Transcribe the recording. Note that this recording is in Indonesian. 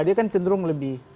dia kan cenderung lebih